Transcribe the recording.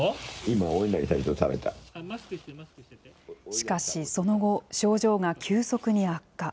しかし、その後、症状が急速に悪化。